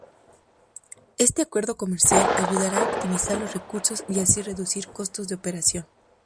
Este acuerdo comercial ayudara a optimizar los recursos y así reducir costos de operación.